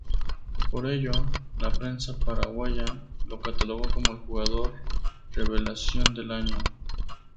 Por ello, la prensa paraguaya lo catalogó como el jugador revelación del año.